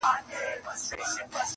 د پښتو اشعار يې دُر لعل و مرجان کړه,